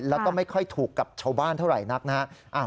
แล้วก็ไม่ค่อยถูกกับชาวบ้านเท่าไหร่นักนะฮะ